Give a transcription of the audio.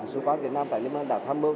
sứ quán việt nam tại liên bang đã tham mưu